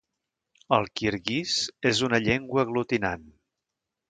El kirguís és una llengua aglutinant.